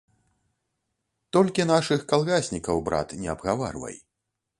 Толькі нашых калгаснікаў, брат, не абгаварвай.